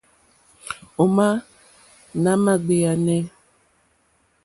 Ò má nà mà ɡbèáná.